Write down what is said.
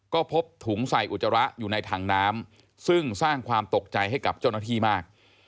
ก็พบถุงใส่อุจจาระอยู่ในถังน้ำซึ่งสร้างความตกใจให้กับเจ้าหน้าที่มาก